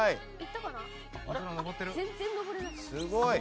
全然、登れない。